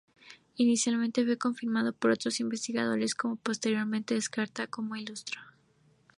Inicialmente fue confirmada por otros investigadores, pero posteriormente descartada como ilusoria.